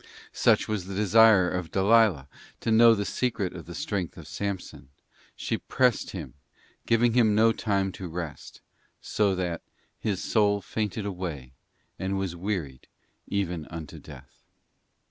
Such was the desire of Dalila to know the secret of the strength of Samson; she 'pressed him—giving him no time to rest,' so that 'his soul fainted away, and was wearied even unto death.